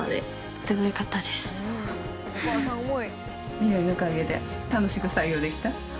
美典のおかげで楽しく作業できた。